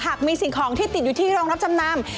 หากมีสิ่งของที่ติดอยู่ที่โรงรับจำนำ